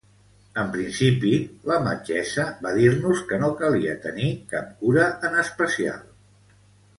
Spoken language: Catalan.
En principi, la metgessa va dir-nos que no calia tenir cap cura en especial.